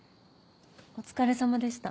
お疲れさまでした。